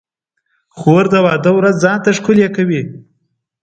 خور د واده ورځ ځان ته ښکلې کوي.